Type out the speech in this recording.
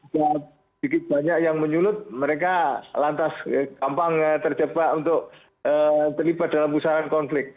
dan sedikit banyak yang menyulut mereka lantas gampang terjebak untuk terlibat dalam usaha konflik